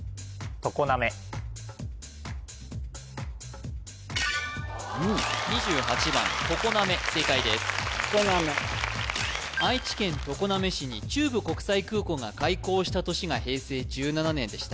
常滑愛知県常滑市に中部国際空港が開港した年が平成１７年でした・